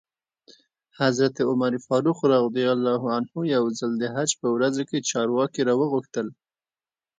حضرت عمر فاروق یو ځل د حج په ورځو کې چارواکي را وغوښتل.